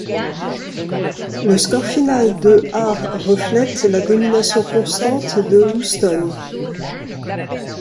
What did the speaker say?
Le score final de à reflète la domination constante de Houston.